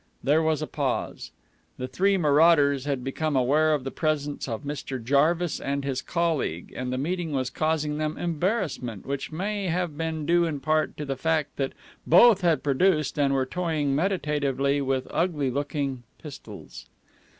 There was a pause. The three marauders had become aware of the presence of Mr. Jarvis and his colleague, and the meeting was causing them embarrassment, which may have been due in part to the fact that both had produced and were toying meditatively with ugly looking pistols.